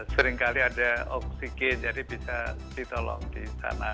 seringkali ada oksigen jadi bisa ditolong di sana